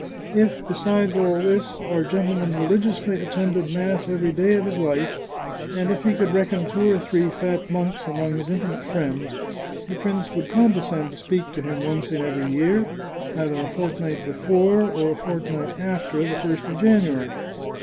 If, besides all this, our gentleman religiously attended mass every day of his life, and if he could reckon two or three fat monks among his intimate friends, the prince would condescend to speak to him once in every year, either a fortnight before, or a fortnight after, the first of January.